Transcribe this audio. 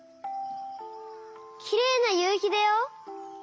きれいなゆうひだよ！